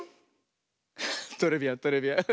トレビアントレビアン。